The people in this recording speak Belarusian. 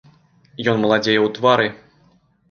Ён маладзее ў твары.